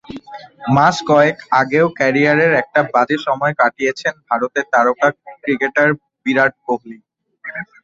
মাস কয়েক আগেও ক্যারিয়ারের একটা বাজে সময় কাটিয়েছেন ভারতের তারকা ক্রিকেটার বিরাট কোহলি।